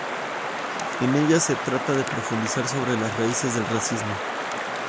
En ella se trata de profundizar sobre las raíces del racismo.